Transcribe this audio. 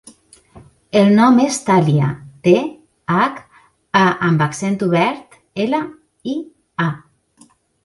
El nom és Thàlia: te, hac, a amb accent obert, ela, i, a.